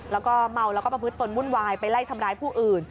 แล้วก็เมาแล้วก็ประพฤติตนวุ่นวายไปไล่ทำร้ายผู้อื่น